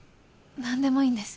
何でもいいんです。